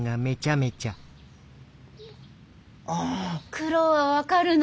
苦労は分かるの。